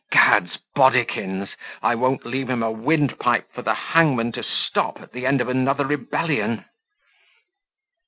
Gadsbodikins! I won't leave him a windpipe for the hangman to stop, at the end of another rebellion."